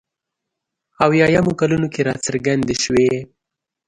اویایمو کلونو کې راڅرګندې شوې.